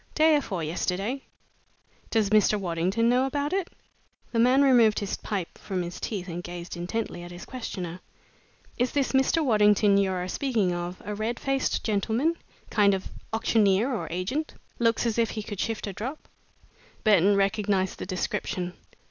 "Day afore yesterday." "Does Mr. Waddington know about it?" The man removed his pipe from his teeth and gazed intently at his questioner. "Is this Mr. Waddington you're a speaking of a red faced gentleman kind of auctioneer or agent? Looks as though he could shift a drop?" Burton recognized the description.